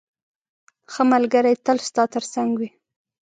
ښه ملګری تل ستا تر څنګ وي.